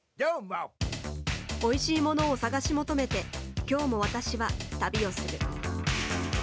おいしいものを探し求めて今日も私は旅をする。